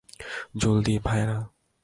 জলদি, ভায়েরা!